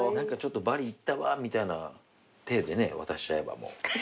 バリ行ったわみたいな体で渡しちゃえば。